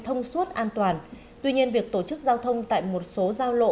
thông suốt an toàn tuy nhiên việc tổ chức giao thông tại một số giao lộ